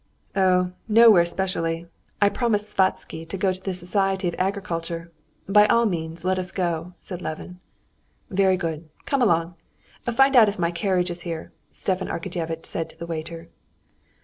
"Oh, nowhere specially. I promised Sviazhsky to go to the Society of Agriculture. By all means, let us go," said Levin. "Very good; come along. Find out if my carriage is here," Stepan Arkadyevitch said to the waiter.